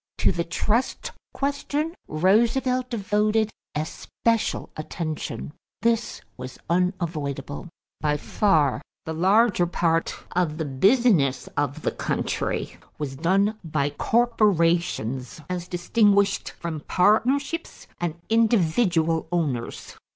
= To the trust question, Roosevelt devoted especial attention. This was unavoidable. By far the larger part of the business of the country was done by corporations as distinguished from partnerships and individual owners.